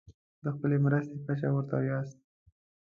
د خپلې مرستې کچه ورته ووایاست.